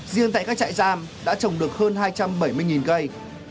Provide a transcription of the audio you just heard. riêng tại các trại giam đã trồng được hơn hai trăm bảy mươi cây